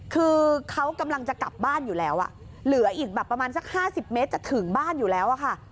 คือเขากำลังจะกลับบ้านอยู่แล้วเหลืออีกแบบประมาณสัก๕๐เมตรจะถึงบ้านอยู่แล้วอะค่ะ